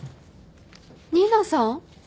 新名さん？